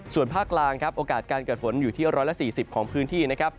ส่วนภาคกลางครับโอกาสการเกิดฝนอยู่ที่๑๔๐ของพื้นที่นะครับ